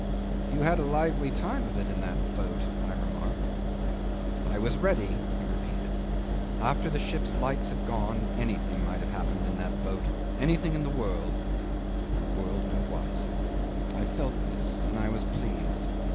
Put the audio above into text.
..." '"You had a lively time of it in that boat," I remarked '"I was ready," he repeated. "After the ship's lights had gone, anything might have happened in that boat anything in the world and the world no wiser. I felt this, and I was pleased.